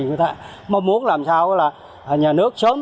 thì chúng ta mong muốn làm sao là nhà nước sớm